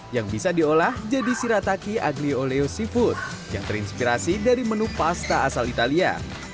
yang bisa diolah jadi sirataki aglioleo seafood yang terinspirasi dari menu pasta asal italia